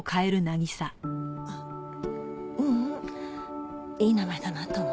あっううんいい名前だなと思って。